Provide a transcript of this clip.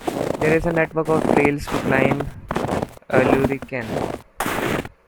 There is a network of trails to climb Ulriken.